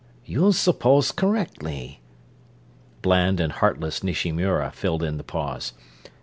"You suppose correctly." Bland and heartless Nishimura filled in the pause.